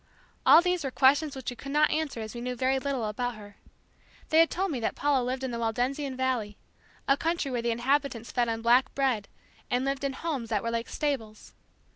All these were questions which we could not answer as we knew very little about her. They had told me that Paula lived in the Waldensian Valley a country where the inhabitants fed on black bread and lived in homes that were like stables.